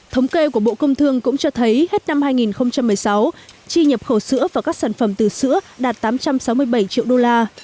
thống kê của bộ công thương cũng cho thấy hết năm hai nghìn một mươi sáu chi nhập khẩu sữa và các sản phẩm từ sữa đạt tám trăm sáu mươi bảy triệu đô la